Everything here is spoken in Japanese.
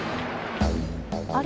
あれ？